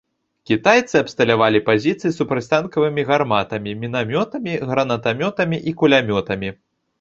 Кітайцы абсталявалі пазіцыі супрацьтанкавымі гарматамі, мінамётамі, гранатамётамі і кулямётамі.